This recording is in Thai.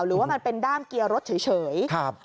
หรือว่ามันเป็นด้ามเกียร์รถเฉย